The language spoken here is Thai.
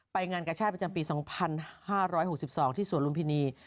งานกระชาติประจำปี๒๕๖๒ที่สวนลุมพินี